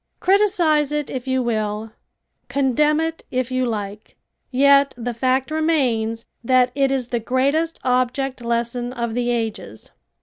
Criticise it if you will, condemn it if you like, yet the fact remains that it is the greatest object lesson of the ages.